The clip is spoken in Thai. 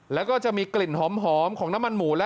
แล้วก็จะมีกลิ่นหอมของน้ำมันหมูและ